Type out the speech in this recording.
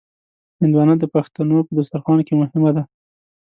هندوانه د پښتنو په دسترخوان کې مهمه ده.